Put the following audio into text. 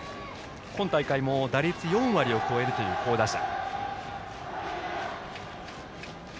今大会も打率４割を超えるという好打者。